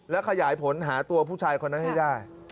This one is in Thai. และขยายผลหาตัวผู้ชายคนนั้นให้ได้